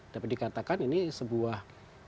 dapat dikatakan ini sebuah